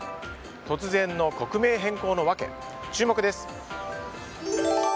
突然の国名変更の訳、注目です。